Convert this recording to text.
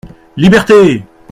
Liberté !